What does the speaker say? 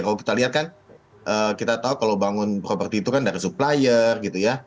kalau kita lihat kan kita tahu kalau bangun properti itu kan dari supplier gitu ya